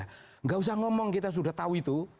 tidak usah ngomong kita sudah tahu itu